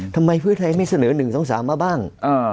ทำไมเพื่อไทยไม่เสนอ๑๒๓มาบ้าง